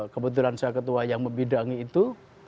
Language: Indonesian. kebetulan saya ketua yang membidangi itu